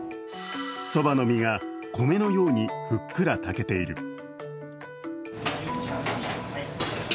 そばの実が米のようにふっくら炊けている。